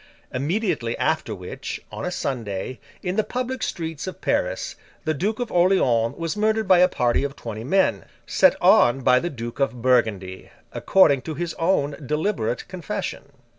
Immediately after which, on a Sunday, in the public streets of Paris, the Duke of Orleans was murdered by a party of twenty men, set on by the Duke of Burgundy—according to his own deliberate confession.